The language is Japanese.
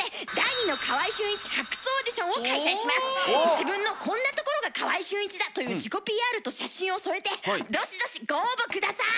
自分のこんなところが川合俊一だ！という自己ＰＲと写真を添えてどしどしご応募下さい！